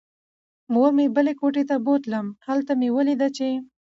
مور مې بلې کوټې ته بوتلم. هلته مې ولیدله چې